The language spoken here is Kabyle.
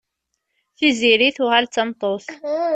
Tiziri tuɣal d tameṭṭut.